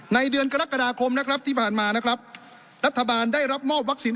เดือนกรกฎาคมนะครับที่ผ่านมานะครับรัฐบาลได้รับมอบวัคซีน